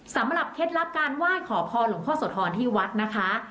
สำหรับเคล็ดลับการว่ายขอพรหลงพ่อโสธรที่วัดนะคะ